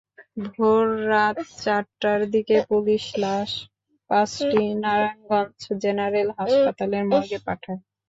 ভোররাত চারটার দিকে পুলিশ লাশ পাঁচটি নারায়ণগঞ্জ জেনারেল হাসপাতালের মর্গে পাঠায়।